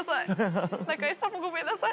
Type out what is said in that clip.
中井さんもごめんなさい。